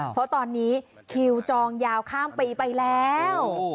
เพราะตอนนี้คิวจองยาวข้ามปีไปแล้ว